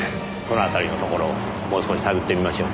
その辺りのところをもう少し探ってみましょう。